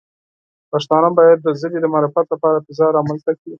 پښتانه باید د ژبې د معرفت لپاره فضا رامنځته کړي.